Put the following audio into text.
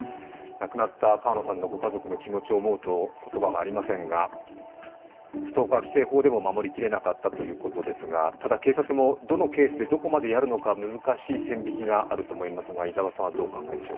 亡くなった川野さんのご家族の気持ちを思うと言葉がありませんが、ストーカー規制法でも守りきれなかったということですがただ、警察もどのケースでどこまでやるのか、線引きが難しいんですが。